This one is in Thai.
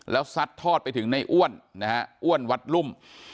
แล้วซัดทอดไปถึงในอ้วนนะฮะอ้วนวัดรุ่ม